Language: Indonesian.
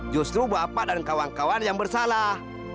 justru bapak dan kawan kawan yang bersalah